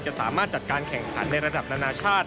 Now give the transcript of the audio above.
สามารถจัดการแข่งขันในระดับนานาชาติ